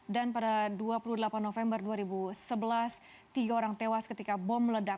dan pada dua puluh delapan november dua ribu sebelas tiga orang tewas ketika bom ledak